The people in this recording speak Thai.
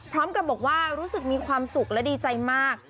พร้อมกับบอกว่ารู้สึกมีความสุขและดีใจมาก